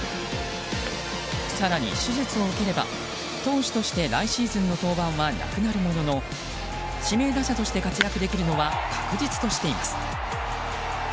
更に、手術を受ければ投手として来シーズンの登板はなくなるものの指名打者として活躍できるのは確実としています。